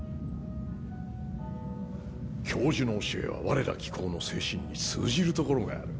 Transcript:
教授の教えは我ら機構の精神に通じるところがある。